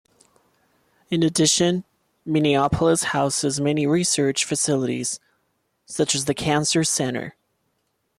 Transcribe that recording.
In addition, Minneapolis houses many research facilities such as The Cancer Center.